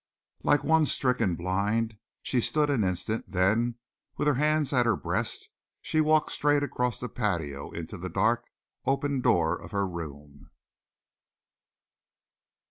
Like one stricken blind, she stood an instant; then, with her hands at her breast, she walked straight across the patio into the dark, open door of her room.